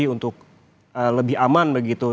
untuk lebih aman begitu